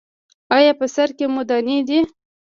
ایا په سر کې مو دانې دي؟